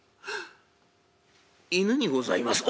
犬にございます」。